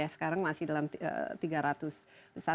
sekarang masih dalam tiga ratus besar